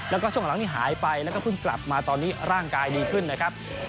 แล้วก็ช่วงหลังนี้หายไปแล้วก็เพิ่งกลับมาตอนนี้ร่างกายดีขึ้นนะครับ